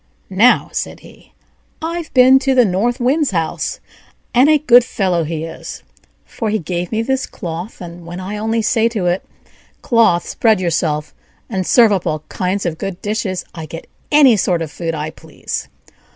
"Now," said he, "I've been to the North Wind's house, and a good fellow he is, for he gave me this cloth, and when I only say to it, 'Cloth, spread yourself, and serve up all kinds of good dishes,' I get any sort of food I please."